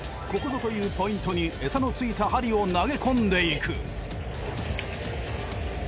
ここぞというポイントにエサのついた針を投げ込んでいく。